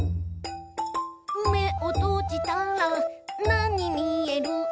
「めをとじたらなにみえる？」